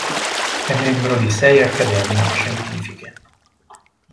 È membro di sei accademie scientifiche.